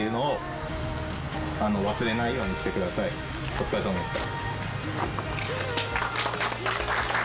お疲れさまでした。